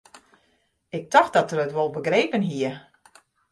Ik tocht dat er it wol begrepen hie.